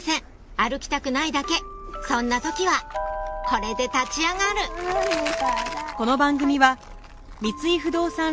歩きたくないだけそんな時はこれで立ち上がるえっ？